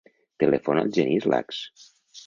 Telefona al Genís Lax.